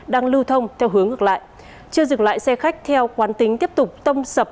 đang lưu thông theo hướng ngược lại chưa dừng lại xe khách theo quán tính tiếp tục tông sập